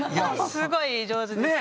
すごい上手です。